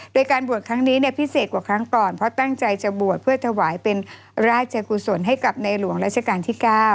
โดยการบวชครั้งนี้พิเศษกว่าครั้งก่อนเพราะตั้งใจจะบวชเพื่อถวายเป็นราชกุศลให้กับในหลวงราชการที่๙